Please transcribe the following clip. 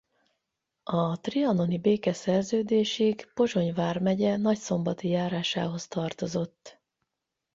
A trianoni békeszerződésig Pozsony vármegye Nagyszombati járásához tartozott.